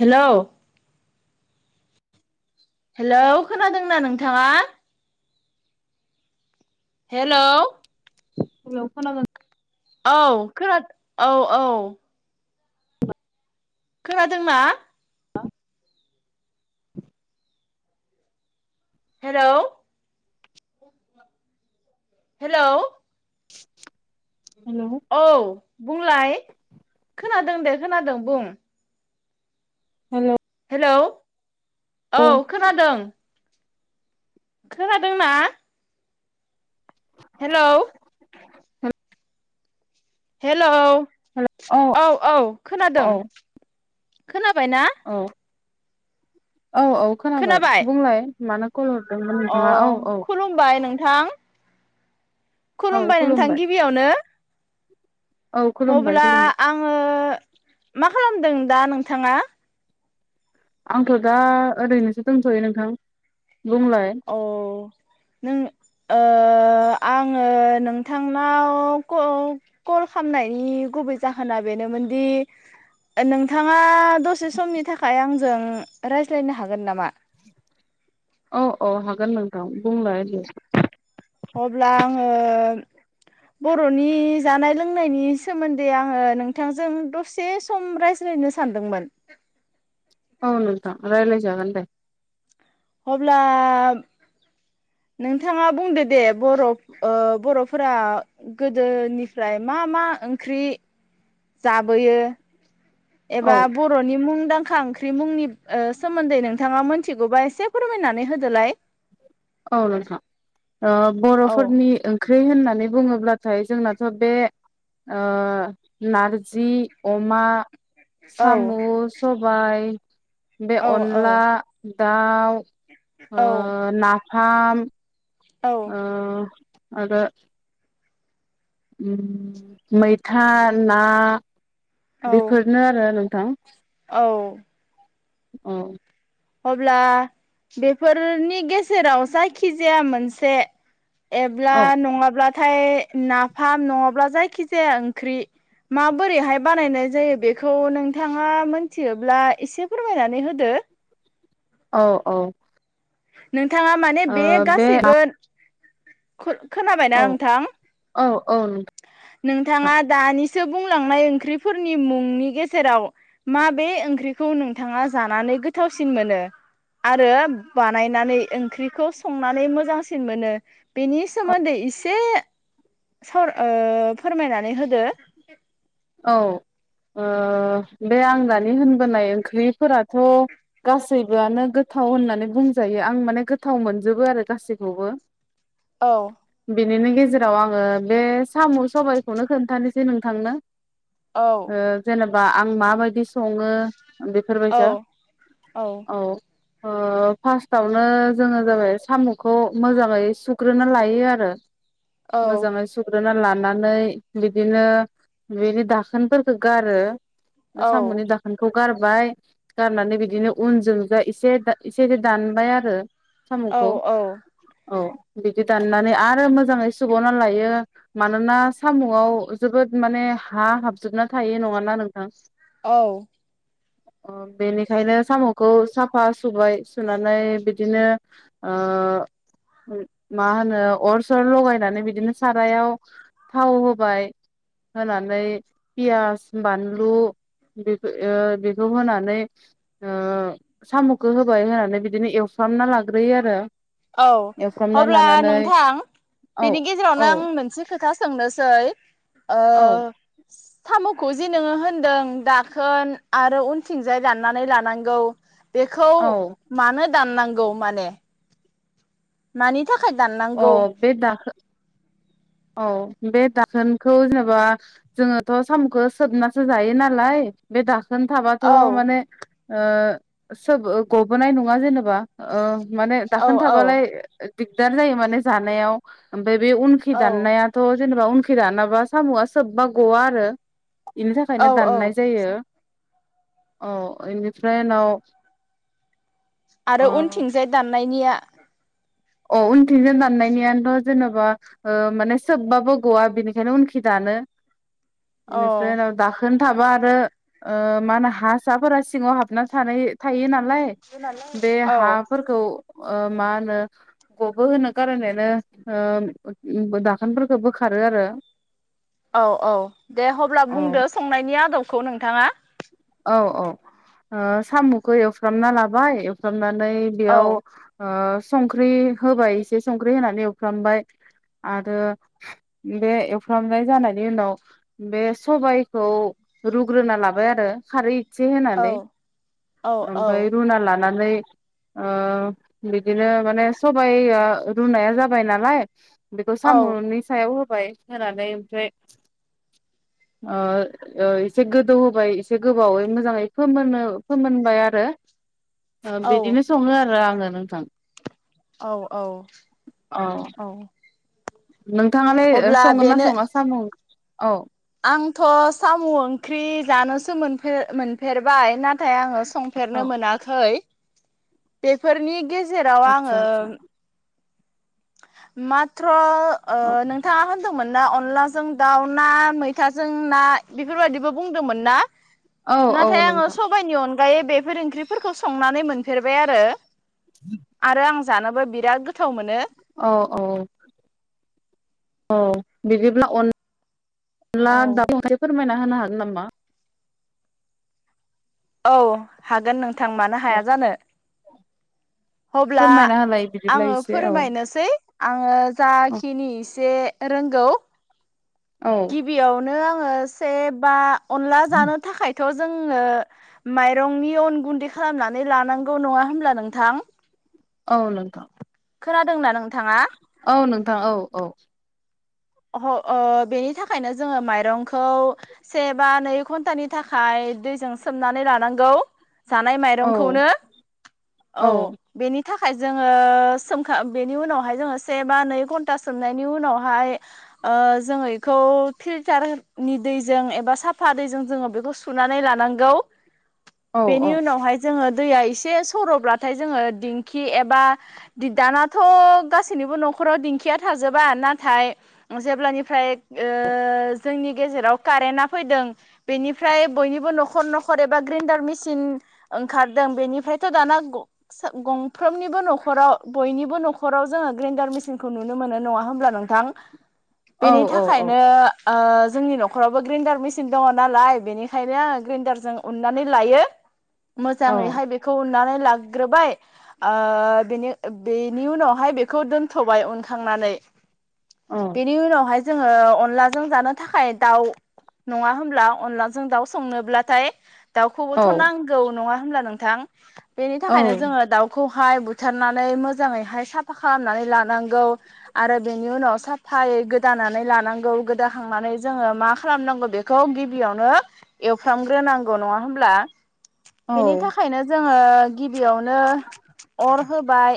Hello. Hello खोनादोंना नोंथाङा? Hello. अयाव खोनागोन। औ खोना औ-औ। खोनादोंना? Hello hello. हेलौ औ बुंलाय खोनादों दे। खोनादों बुं। हेल। हेलौ। औ खोनादों। खोनादोंना? हेलौ हेलौ औ औ खोनादों। औ खोनाबाय ना? औ औ औ खोनाबाय बुंलाय मानो? कल हरदोंमोन अ नोंथाङा औ औ खुलुमबाय नों। थां खुलुमबाय नोंथां गिबियावनो। औ खुलुमबाय अब्ला खुलुमबाय आङो मा? खालामदों दा नोंथाङा? आंथ' दा ओरैनोसो दंथयो नोंथां। बुंलाय अ नों ओ ओ आङो नोंथांनाव क कल खालामनायनि गुबै जाहोना बेनोमोनदि नोंथाङा दसे समनि थाखाय आंजों रायज्लायनो हागोन नामा? औ औ हागोन नोंथां बुंलाय दे। अब्ला आङो बर'नि जानाय लोंनायनि सोमोन्दै आङो नोंथांजों दसे सम रायज्लायनो सानदोंमोन। औ नोथां रायलाय जागोन दे। अब्ला नोंथाङा बुंदो दे बरफ ओ बर'फोरा गोदोनिफ्राय मा मा ओंख्रि जाबोयो? औ एबा बर'नि मुंदांखा ओंख ख्रि मुंनिब ओ सोमोन्दै नोंथाङा मिथिगौबा इसे फोरमायनानै होदोलाय। औ नोंथां। ओ औ बर'फोरनि ओंख्रि होनना होननानै बुङोब्लाथाय जोंनाथ' बे ओ नारजि अमा औ सामु, सबाइ बे औ औ अनला दाउ ओ औ नाफ फाम औ ओ आरो ओम मैथा ना औ बेफोरनो आरो नों थां औ औ अब्ला बेफोरनि गेजेराव जायखिजाया मोनसे एब्ला औ नङाब्लाथाय नाफाम नङाब्ला जायखि जाया ओंख्रि माबोरैहाय बानायनाय जायो बेखौ नोंथाङा मोनथियोब्ला इसे फोरमायनानै होदो। औ औ। नों थाङा माने बे गासैबो [unintelligible] खोनाबायना औ नोंथां औ औ नोंथां नोंथाङा दानिस सो बुंलांनाय ओंख्रिफोरनि मुंनि गेजेराव माबे ओंख्रिखौ नोंथाङा जानानै गोथावसिन मोनो आरो बाद नायनानै ओंख्रिखौ संनानै मोजांसिन मोनो? बेनि सोमोन्दै इसे साव ओ फोरमायनानै होदो। औ ओ बे आं दानि होनबोनाय ओंख्रिफोराथ' गासैबोआनो गोथाव होननानै बुंजायो आं माने गोथाव मोनजोबो आरो गासैखौबो। औ। बेनि गेजेराव आङो बे साम' सबायखौनो खोन्थानोसै नोंथांनो। औ ओ जेनेब। बा आं माबायदि सङो औ बेफोरबायसा औ। ओ फार्स्टावनो जोङो जाबाय साम'खौ मोजाङै सुग्रोनो लायो आरो। औ मोजाङै सुग्रोना ला नानै बिदिनो बेनि दाखोनफोरखो गारो। औ साम'नि दाखोनखौ गार बाय गारनानै बिदिनो उनजों जा एसे इसे ए दानबाय आरो। औ साम'खौ औ औ। बिदि दाननानै आरो मोजाङै सुबावना लायो मानोना साम'आव जोबोद माने हा हाबजोबना थायो नङाना नोंथां? औ। अ बेनिखायनो साम'खौ साफा सुबाय सुनानै बिदिनो ओ मा होनो अर सर लगायनानै बिदिनो सारायाव थाव होबाय होनानै पियास बानलु बे बेखौ होनानै ओ साम'खो होबाय होनानै बिदिनो एवफ्रामना लाग्रोयो आरो। औ एवफ्रामना अब्ला लानानै नोंथां औ बेनि गेजेरावनो औ आं मोनसे खोथा सोंनोसै ओ औ। साम'खौ जे नोङो होनदों दाखोन आरो उनथिंजाय दाननानै लानांगौ बेखौ औ मानो दाननांगौ माने? मानि थाखाय अ दाननांगौ बे दाखो। औ बे दाखोनखौ जेनेबा जोङोथ' साम'खौ सोबनासो जायो नालाय बे दाख दाखोन थाबाथ' औ माने ओ सोब गबोनाय नङा जेनेबा ओ माने औ दाखोन औ थाबालाय दिगदार जायो माने जानायाव ओमफ्राय बे औ दाननायाथ' जेनेबा उनखै दानाबा साम'आ सोबबा गवा आरो। बेनि थाखायनो औ औ दाननाय जायो। औ इनिफ्राय उनाव आरो ओ उनथिंजाय दाननायनिया अ उनथिंजों दाननायनियथ' जेन'बा ओ माने सोबबाबो गआ बिनिखायनो उनखि दानो। औ बेनिफ्राय उनाव दाखोन थाबा आरो ओ मा होनो हा साफोरा सिङाव हाबना थानाय थायो ना लाय बे औ हाफोरखौ अ मा होनो गबो होनो खारनैनो ओ दाखोनफोरखौ बोखारो आरो औ औ दे हब्ला औ बुंदो संनायनि आदब खौ नोंथाङा। औ औ ओ साम'खौ एवफ्रामना लाबाय एवफ्रामना नै औ बेयाव ओ संख्रि होबाय एसे संख्रि होनानै एवफ्रामबाय आरो बे एवफ्रामनाय जानायनि उनाव बे सबायखौ रुग्रोना लाबाय आरो खारि से औ होनानै औ औ ओमफ्राय रुना लानानै ओ बिदिनो माने सबाइआ रुनाया जाबाय नालाय बेखौ साम'नि सायाव होबाय होनानै ओमफाय ओ एसे गोदौ होबाय से गोबावै मोजाङै फोमोननो फोमोनबाय आरो ओ औ बिदिनो सङो आरो आङो नोथां औ औ औ नोंथाङालाय अब्ला संङोना बेनो सङा सामु औ आंथ' साम' ओंख्रि जानोसो मोनफेर मोनफेरबाय नाथाय आङो औ संफेरनो मोनाखै बेफोरनि गे जेराव आदसा आङो आदसा माथ्र' ओ औ नोंथाङा होन दोंमोन ना अनलाजों दाउ ना मैथाजों ना बेफोरबायदिबो बुंदोंमोन ना? औ औ नाथाय आङो नोंथां सबाइनि अन गायै बेफोर ओंख्रिफोरखौ संनानै मोनफेरबाय आरो आरो आं जानोबो बिराद गोथाव मोनो। औ औ औ बिदिब्ला अन ला औ [inaudible] फोरमायना होनो हागोन‌ नामा? औ हागोन नों थां मानो अ हाया जानो अब्ला फोरमायना होलाय बिदिब्ला आङो एसे औ फोरमायनोसै आङो औ जाखिनि एसे रोंगौ औ गिबियावनो आङो से बा अनला जानो थाखायथ जोङो माइरंनि अन गुन्दै खालामनानै लानांगौ नङा होनब्ला नोंथां औ नोंथां खोनादोंना नों औ नोंथां औ औ ओह ओ बेनि थाखायनो जोङो माइरंखौ से बा नै घन्टानि थाखाय दैजों सोमनानै लानां जानाय औ माइरंखौनो । औ बेनि थाखाय जोङो सोमखा बेनि ओ जोङो इखौ फिल्टारनि दैजों एबा साफा दैजों जोङो बेखौ सुनानै लानांगौ औ औ बेनि उनावहाय जोङो दैया एसे सर'ब्लाथाय जोङो दिंखि एबा दो दानाथ गासैनिबो न'खराव दिंखिया थाजोबा नाथाय ओ जेब्लानिफ्राय ओ जोंनि गेजेराव कारेन्टा फैदों बेनिफ्राय बयनिबो न'खर न'खर एबा ग्रेन्डार मिसिन ओंखारदों बेनिफ्रायथ दाना गंसो गंफ्रोमनिबो न'खराव बयनिबो न'खराव जोङो ग्रेन्डार मिसिनखौ नुनो मोनो नङा होमब्ला नोंथां बेनि औ औ थाखायनो ओ जोंनि न'खरावबो ग्रेन्डार मिसिन दङ नालाय बेनिखायनो आङो ग्रेन्डारजों उनानै लायो औ मोजाङैहाय बेखौ उनानै लाग्रोबाय ओ बेनि बेनि उनावहाय बेखौ दोनथ'बाय उनखांनानै औ बेनि उनावहाय जोङो अनलाजों जानो थाखाय दाउ नङा होमब्ला अनलाजों दाउ संनोब्लाथाय औ दाउखौबोथ नांगौ नङा होमब्ला नोंथां बेनि औ थाखायनो जोङो दाउखौ हाय बुथारनानै मोजाङैहाय साफा खालामनानै लानांगौ आरो बेनि उनाव साफ फाय गोदानानै लानांगौ गोदाखांनानै जोङो मा खालामनांगौ बेखौ गिबियावनो एवफ्रामग्रोनांगौ नङा होमब्ला औ बेनि थाखायनो जों ङो गिबियावनो अर होबाय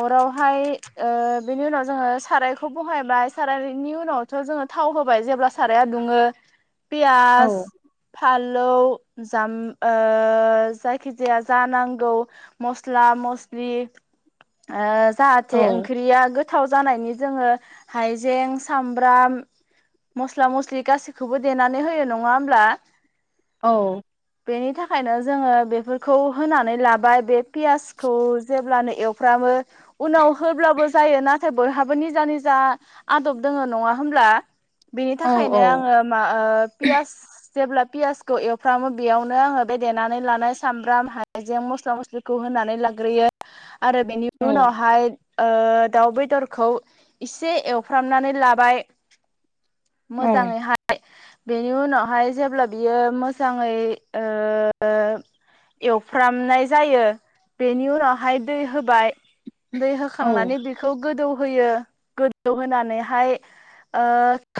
अरावहाय ओ बिनि उनाव जोङो सारायखौ बहायबाय सारायनि उनावथ जोङो थाव होबाय जेब्ला साराया दुङो पियाज फान लौ जाम ओ जायखिजाया जा नांगौ मस्ला मस्लि ओ जाहाथे ओंख्रिया गो थाव जानायनि जोङो हाइजें सामब्राम मस्ला मस्लि गासैखौबो देनानै होयो नङा होमब्ला औ बेनि थाखायनो जोङो बेफोरखौ होनानै लाबाय बे पियासखौ जेब्लानो एवफ्रामो उनाव होब्लाबो जायो नाथाय बयहाबो बो निजा निजा जा आदब दङो नङा होमब्ला बेनि औ थाखायनो आङो मा ओ पियास जेब्ला पियासखौ एवफ्रामो बेयावनो आङो बे देनानै लानाय सामब्राम हायजें मस्ला मस्लिखौ होनानै लाग्रोयो आरो बेनि उनावहाय ओ दाउ बेदरखौ एसे एवफ्रामनानै लाबाय औ मोजाङैहाय बेनि उनावहाय जेब्ला बियो मोजाङै ओ एवफ्रामनाय जायो बेनि उनावहाय दै होबाय दै होखांनानै बेखौ गोदौ होयो गोदौहोनानैहाय ओ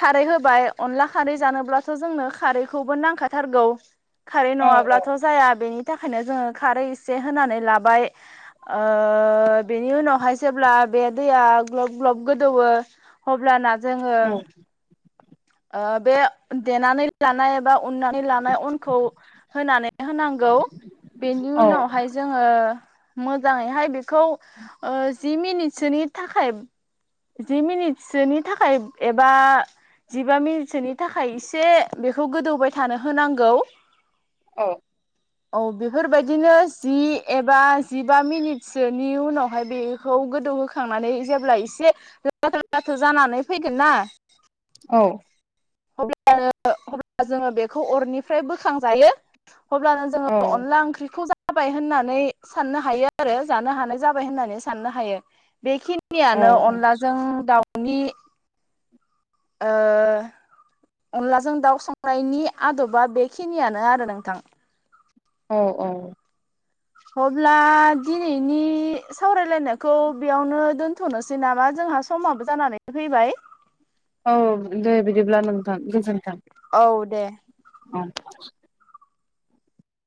खारै होबाय अनला खारै जानोब्लाथ' जोंनो खारैखौबो नांखाथारगौ खारै नङाब्लाथ' जाया बेनि नि थाखायनो जोङो खारै एसे होनानै लाबाय ओ बेनि उनावहाय जेब्ला बे दैया ग्लब ग्लब गोदौवो अब्लाना जोङो ओ बे देनानै लानाय बा उननानै लानाय अनखौ होनानै होनांगौ बेनि उनावहाय जोङो मोजाङैहाय बेखौ ओ जि मिनिटसोनि थाखाय जि मिनिटसोनि थाखाय एबा जिबा मिनिटसोनि थाखाय इसे बेखौ गोदौबाय थानो होनांगौ औ औ बेफोरबायदिनो जि एबा जिबा मिनिटसोनि उनावहाय बेखौ गोदौहोखांनानै जेब्ला एसे लथारो लथो जानानै फैगोन ना औ [unintelligible] अब्ला जोङो बेखौ अरनिफ्राय बोखांजायो अब्लानो जोङ अनला ओंख्रिखौ जा जाबाय होननानै साननो हायो आरो जानो हानाय जाबाय होननानै साननो हायो बेखिनि खिनियानो अनलाजों दाउ इ ओ अनलाजों दाउ संनायनि आदबा बेखिनियानो आरो नोंथां औ औ अब्ला दिनैनि सावरायलायनायखौ बेयावनो दोनथनोसै नामा जोंहा समाबो जानानै फैबाय औ दे बिदिब्ला नोंथां गोजोन्थों औ दे [inaudible]